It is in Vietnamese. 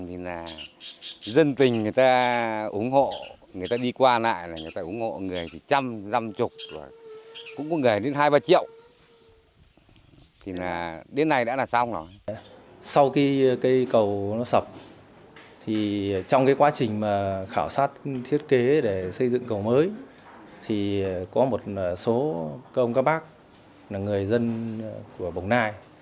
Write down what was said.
trong quá trình khảo sát thiết kế để xây dựng cầu mới thì có một số công các bác người dân của bồng lai